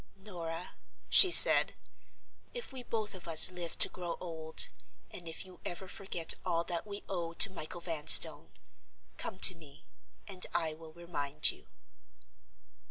"Norah," she said, "if we both of us live to grow old, and if you ever forget all that we owe to Michael Vanstone—come to me, and I will remind you."